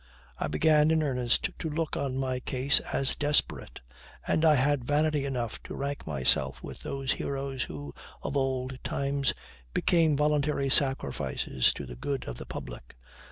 I began in earnest to look on my case as desperate, and I had vanity enough to rank myself with those heroes who, of old times, became voluntary sacrifices to the good of the public.